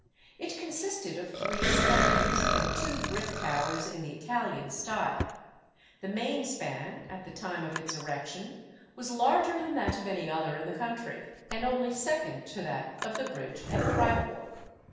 It consisted of three spans, and two brick towers in the Italian style; the main span, at the time of its erection, was larger than that of any other in the country, and only second to that of the bridge at Fribourg.